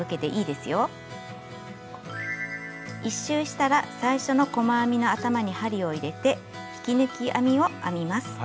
１周したら最初の細編みの頭に針を入れて引き抜き編みを編みます。